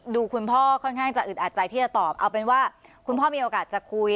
คุณพ่อค่อนข้างจะอึดอัดใจที่จะตอบเอาเป็นว่าคุณพ่อมีโอกาสจะคุย